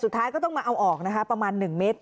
สุดท้ายก็ต้องมาเอาออกนะคะประมาณ๑เมตร